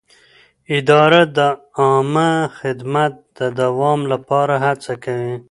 اداره د عامه خدمت د دوام لپاره هڅه کوي.